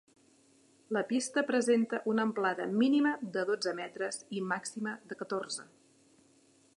La pista presenta una amplada mínima de dotze metres i màxima de catorze.